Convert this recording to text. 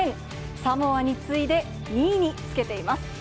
サモアに次いで２位につけています。